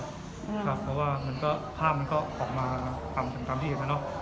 เพราะว่าภาพมันก็ออกมาตามที่เห็นแล้วเนอะ